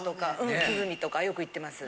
よく行ってます。